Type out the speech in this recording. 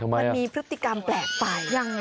มันมีพฤติกรรมแปลกไป